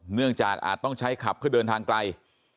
เนื่องจากอาจต้องใช้ขับเพื่อเดินทางไกล